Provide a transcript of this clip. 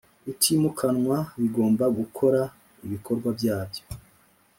utimukanwa bigomba gukora ibikorwa byabyo